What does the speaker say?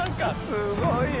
すごいよ。